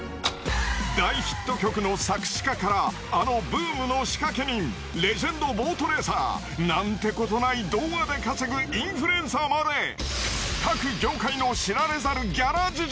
大ヒット曲の作詞家からあのブームの仕掛け人レジェンドボートレーサーなんてことない動画で稼ぐインフルエンサーまで各業界の。